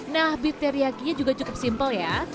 nah beef teriyakinya juga cukup simpel ya